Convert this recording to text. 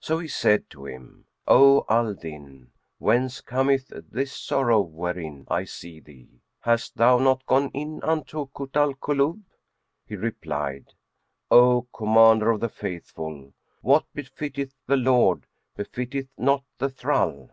So he said to him, "O Al Din, whence cometh this sorrow wherein I see thee? Hast thou not gone in unto Kut al Kulub?" He replied, "O Commander of the Faithful, what befitteth the lord befitteth not the thrall.